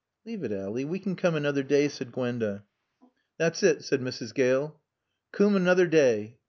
"Leave it, Ally. We can come another day," said Gwenda. "Thot's it," said Mrs. Gale. "Coom another daay."